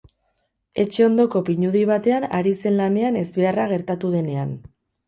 Etxe ondoko pinudi batean ari zen lanean ezbeharra gertatu denean.